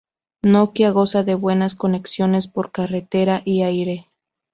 Nokia goza de buenas conexiones por carretera y aire.